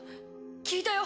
聞いたよ